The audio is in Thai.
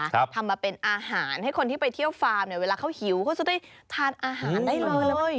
ทำมาเป็นอาหารให้คนที่ไปเที่ยวฟาร์มเนี่ยเวลาเขาหิวเขาจะได้ทานอาหารได้เลย